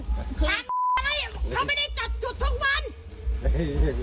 หลังอะไรเขาไม่ได้จัดจุดทุกวัน